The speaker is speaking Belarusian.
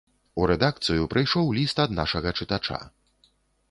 У рэдакцыю прыйшоў ліст ад нашага чытача.